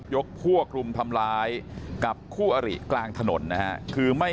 ยกพวกรุมทำร้ายกับคู่อริกลางถนนนะฮะคือไม่